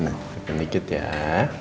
nah cipin dikit ya